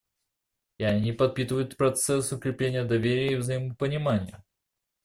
И они подпитывают процесс укрепления доверия и взаимопонимания.